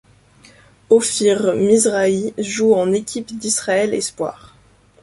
Ofir Mizrahi joue en équipe d'Israël espoirs.